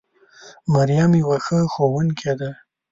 مريم يوه ښه ښوونکې ده